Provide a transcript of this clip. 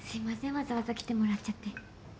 わざわざ来てもらっちゃって。